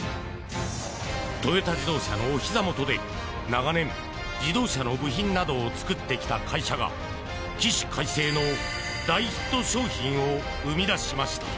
トヨタ自動車のおひざ元で長年、自動車の部品などを作ってきた会社が起死回生の大ヒット商品を生み出しました。